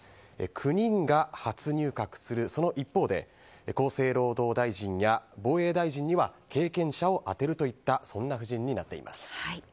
９人が初入閣するその一方で厚生労働大臣や防衛大臣には経験者を当てるといった布陣になっています。